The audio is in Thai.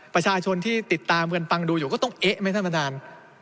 ประชาชนที่ติดตามกันฟังดูอยู่ก็ต้องเอ๊ะไหมท่านประธาน